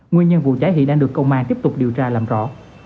nguyên nhân vụ cháy hiện đang được công an tiếp tục điều tra làm rõ